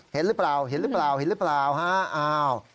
เห็นหรือเปล่าฮะอ้าว